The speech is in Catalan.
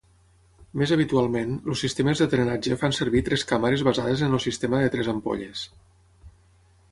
Més habitualment, els sistemes de drenatge fan servir tres càmeres basades en el sistema de tres ampolles.